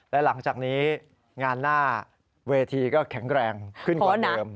และหลังจากนี้งานหน้าเวทีก็แข็งแรงขึ้นกว่าเดิม